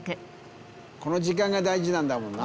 この時間が大事なんだもんな。